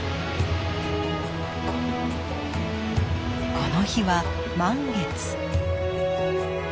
この日は満月。